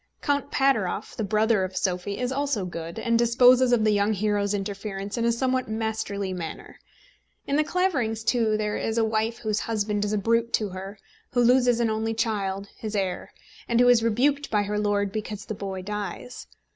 Count Pateroff, the brother of Sophie, is also good, and disposes of the young hero's interference in a somewhat masterly manner. In The Claverings, too, there is a wife whose husband is a brute to her, who loses an only child his heir and who is rebuked by her lord because the boy dies.